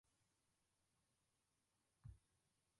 Abagabo baricaye bacuranga ibikoresho byabo